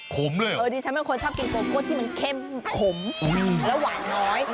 เลยเหรอเออดิฉันเป็นคนชอบกินโกโก้ที่มันเข้มขมแล้วหวานน้อย